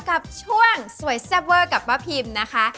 กับช่วงสวยแซ่บเวอร์กับป้าพิมนะคะ